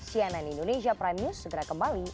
cnn indonesia prime news segera kembali